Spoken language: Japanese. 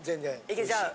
いけちゃう？